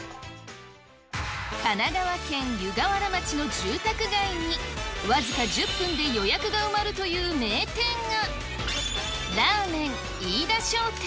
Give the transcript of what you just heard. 神奈川県湯河原町の住宅街に、僅か１０分で予約が埋まるという名店が。